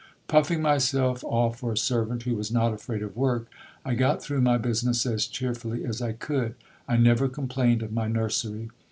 Puffing myself off for a servant, who was not afraid of work, I got through my business as cheerfully as I could. I never complained of my nursery.